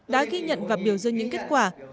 đã ghi nhận và biểu dương những kết quả